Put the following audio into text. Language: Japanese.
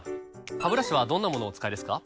ハブラシはどんなものをお使いですか？